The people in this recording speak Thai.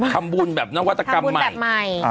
ทำบุญแบบนวัตกรรมใหม่